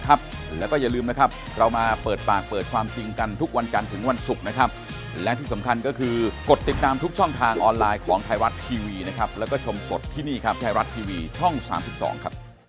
เขายิ่งยิ่งตะโกนปุ๊บเขาปิดปากปุ๊บแล้วก็บีบคอ